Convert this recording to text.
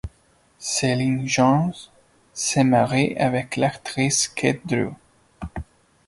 Celyn Jones s'est marié avec l'actrice Kate Drew.